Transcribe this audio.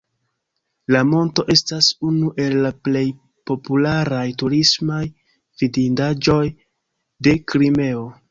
La monto estas unu el la plej popularaj turismaj vidindaĵoj de Krimeo.